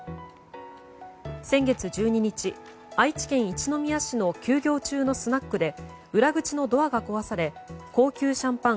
先月１２日、愛知県一宮市の休業中のスナックで裏口のドアが壊され高級シャンパン